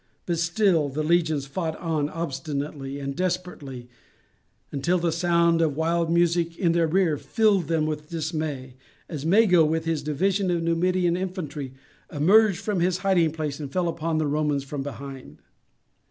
But still the legions fought on obstinately and desperately until the sound of wild music in their rear filled them with dismay, as Mago, with his division of Numidian infantry, emerged from his hiding place and fell upon the Romans from behind.